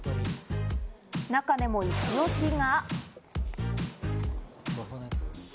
中でもイチオシが。